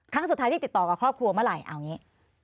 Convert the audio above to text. ครั้งสุดท้ายที่ติดต่อกับครอบครัวเมื่อไหร่เอาอย่างนี้